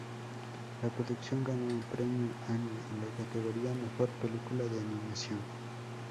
La producción ganó un Premio Annie en la categoría "Mejor Película de Animación".